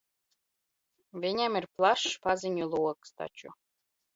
Viņam ir plašs paziņu loks taču.